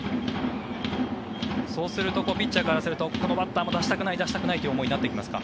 そうするとピッチャーからするとこのバッターも出したくないという思いになってきますか？